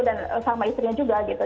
dan sama istrinya juga gitu